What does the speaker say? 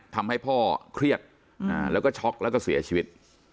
ทำให้พ่อเครียดแล้วก็ช็อกแล้วก็เสียชีวิต